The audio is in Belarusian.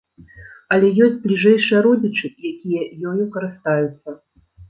Але ёсць бліжэйшыя родзічы, якія ёю карыстаюцца.